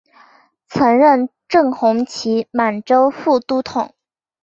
曾任正红旗满洲副都统。